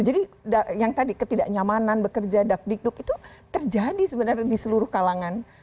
jadi yang tadi ketidaknyamanan bekerja dakdikduk itu terjadi sebenarnya di seluruh kalangan